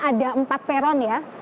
ada empat peron ya